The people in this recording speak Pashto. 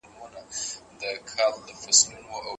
په قلم لیکنه کول د زده کړي د بهیر تر ټولو باوري میتود دی.